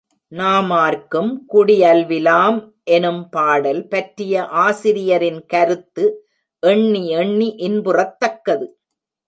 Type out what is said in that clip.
நாமார்க்கும் குடி அல்விலாம் எனும் பாடல் பற்றிய ஆசிரியரின் கருத்து எண்ணி எண்ணி இன்புறத்தக்கது.